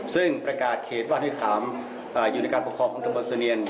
ซึ่งประกาศเขตว่าที่๓อยู่ในการปกครองของตะบนเสนียน